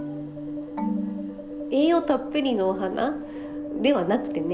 栄養たっぷりのお花ではなくてね